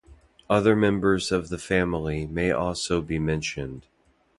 Other members of the family may also be mentioned.